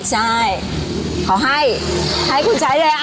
ใช่เขาให้ให้คุณใช้เลย